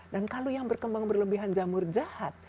dan kalau yang berkembang berlebihan jamur jahat